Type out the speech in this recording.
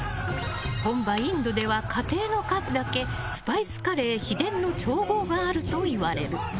本場インドでは、家庭の数だけスパイスカレー秘伝の調合があるといわれる。